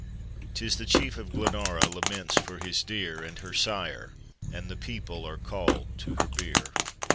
"fis the chief of Glenara laments for his dear; And her sire, and the people, are call'd to her bier.